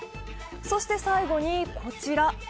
そして最後にこちら。